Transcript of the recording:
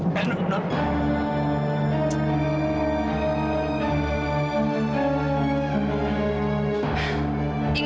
mu tenangkan pe curso